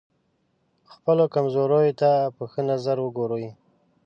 خپلو کمزوریو ته په ښه نظر وګورئ.